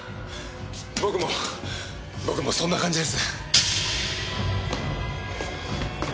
僕も僕もそんな感じです。